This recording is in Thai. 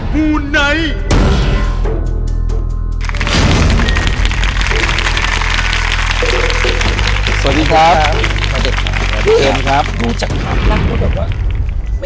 ไม่เชื่ออย่ารบหลุม